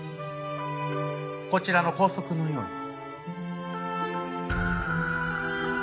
こちらの校則のように。